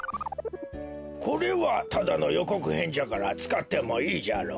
これはただのよこくへんじゃからつかってもいいじゃろ。